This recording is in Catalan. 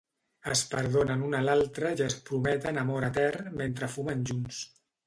Es perdonen un a l'altre i es prometen amor etern mentre fumen junts.